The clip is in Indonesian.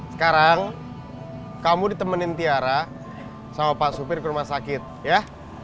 sekarang kamu ditemenin tiara sama pak supir ke rumah sakit ya